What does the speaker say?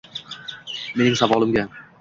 Mening savolimga